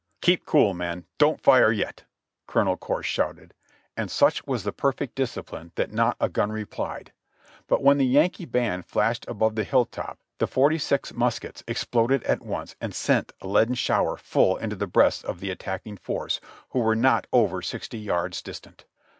''Keep cool, men, don't fire yet I"" Colonel Corse shouted, and such was the perfect discipline that not a gun replied: but when the Yankee band flashed above the hill top the forty six muskets exploded at once and sent a leaden shower full into the breasts of the attacking force, who were not over sixty yards distant.